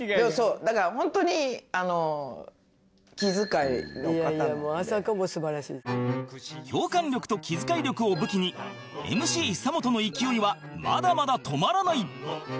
だから「いやいやもうあさこも素晴らしい」共感力と気遣い力を武器に ＭＣ 久本の勢いはまだまだ止まらない